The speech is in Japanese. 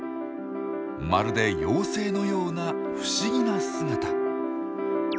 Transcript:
まるで妖精のような不思議な姿。